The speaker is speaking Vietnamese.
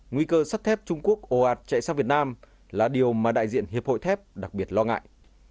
nguy cơ sắt thép trung quốc ồ ạt chạy sang việt nam là điều mà đại diện hiệp hội thép đặc biệt lo ngại